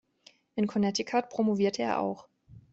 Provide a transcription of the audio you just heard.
In Connecticut promovierte er auch.